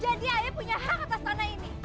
jadi ayo punya hak atas tanah ini